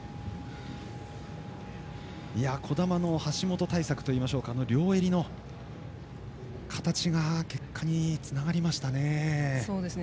児玉の橋本対策といいましょうか両襟の形が結果につながりましたね。